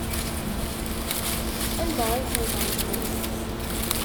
Anda ay tent-tṛejmemt?